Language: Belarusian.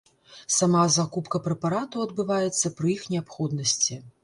Сама закупка прэпаратаў адбываецца пры іх неабходнасці.